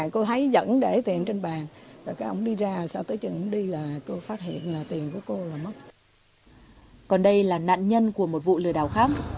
còn đây là nạn nhân của một vụ lừa đảo khác